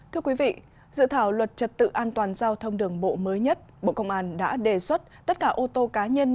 thưa quý vị dự thảo luật trật tự an toàn giao thông đường bộ mới nhất bộ công an đã đề xuất tất cả ô tô cá nhân